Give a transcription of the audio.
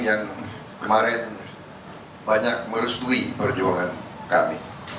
yang kemarin banyak merestui perjuangan kami